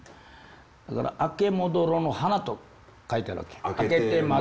だから「明けもどろの花」と書いてあるわけ。